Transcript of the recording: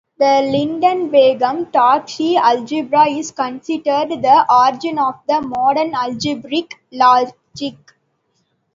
The Lindenbaum-Tarski algebra is considered the origin of the modern algebraic logic.